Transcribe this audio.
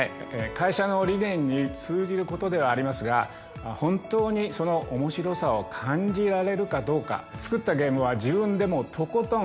会社の理念に通じることではありますが本当にその面白さを感じられるかどうか作ったゲームは自分でもとことんやり込みます。